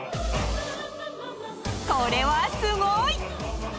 これはすごい！